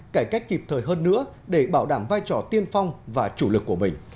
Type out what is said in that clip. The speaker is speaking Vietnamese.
cải cách kịp thời hơn nữa để bảo đảm vai trò tiên phong và chủ lực của mình